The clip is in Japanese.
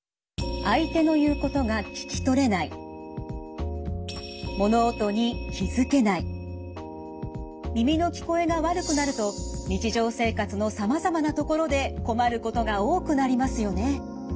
相手の言うことが耳の聞こえが悪くなると日常生活のさまざまなところで困ることが多くなりますよね。